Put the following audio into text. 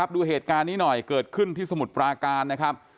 ดูเหตุการณ์นี้หน่อยเกิดขึ้นที่สมุทรปราการนะครับ